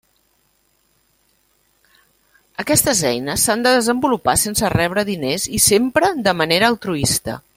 Aquestes eines s'han de desenvolupar sense rebre diners i sempre de manera altruista.